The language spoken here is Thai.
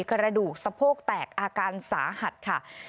กระดูกสะโพกแตกอาการสาหัสค่ะ